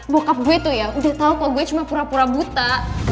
bokap gue tuh ya udah tau kalau gue cuma pura pura buta